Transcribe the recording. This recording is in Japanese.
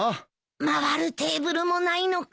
回るテーブルもないのか。